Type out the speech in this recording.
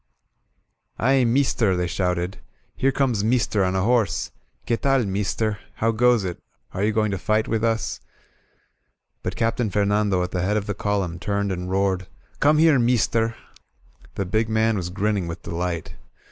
"Aye, meester!" they shouted. Here comes mees ter on a horse! Que taly meester? How goes it? Are you going to fight with us?'' But Captain Fernando at the head of the column turned and roared: "Come here, meester!'' The big man was grinning with delight.